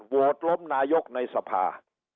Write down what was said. โหวตล้มนายกในสภา